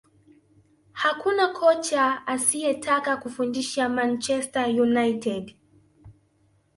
Hakuna kocha asiyetaka kufundisha Manchester United